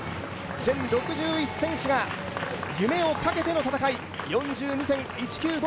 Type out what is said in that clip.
全６１選手が、夢をかけての戦い、４２．１９５